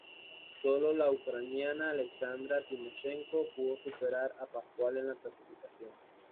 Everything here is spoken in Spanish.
Solo la ucraniana Alexandra Timoshenko pudo superar a Pascual en la clasificación.